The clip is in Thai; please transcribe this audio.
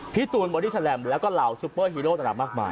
พี่ตูนบอดิทรลัมป์และก็เหล่าซูเปอร์ฮีโรตัวนั้นมากมาย